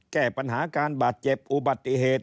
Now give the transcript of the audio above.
แก้ปัญหาการบาดเจ็บอุบัติเหตุ